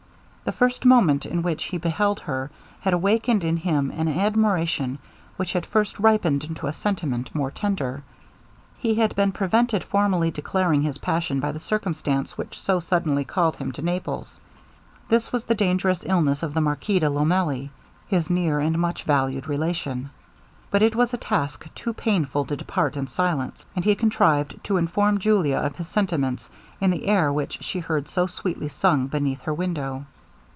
The first moment in which he beheld her, had awakened in him an admiration which had since ripened into a sentiment more tender. He had been prevented formally declaring his passion by the circumstance which so suddenly called him to Naples. This was the dangerous illness of the Marquis de Lomelli, his near and much valued relation. But it was a task too painful to depart in silence, and he contrived to inform Julia of his sentiments in the air which she heard so sweetly sung beneath her window.